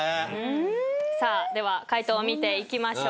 さあでは解答を見ていきましょう。